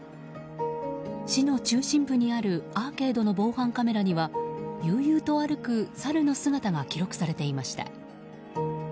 市の中心部にあるアーケードの防犯カメラには悠々と歩くサルの姿が記録されていました。